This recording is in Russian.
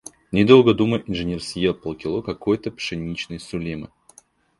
Не долго думая, инженер съел пол кило какой-то пшеничной сулемы.